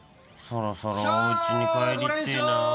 そろそろおうちに帰りてえなぁ